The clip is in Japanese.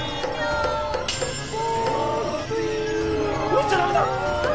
撃っちゃダメだ！